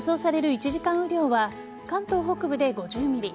１時間雨量は関東北部で５０ｍｍ